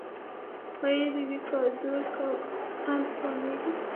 آیا د ویکادور کان پخوانی دی؟